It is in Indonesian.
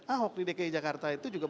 ahok di dki jakarta itu juga